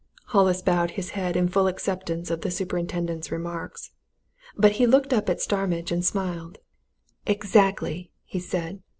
Hollis bowed his head in full acceptance of the superintendent's remarks. But he looked up at Starmidge and smiled. "Exactly!" he said.